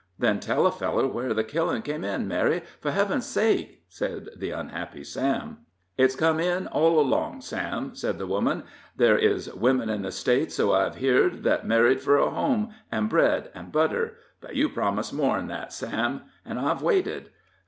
"Then tell a feller where the killin' came in, Mary, for heaven's sake," said the unhappy Sam. "It's come in all along, Sam," said the woman; "there is women in the States, so I've heerd, that marries fur a home, an' bread an' butter, but you promised more'n that, Sam. An' I've waited.